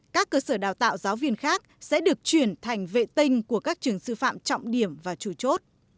các cơ sở đào tạo giáo viên khác sẽ được chuyển thành vệ tinh của các trường sư phạm trọng điểm và chủ chốt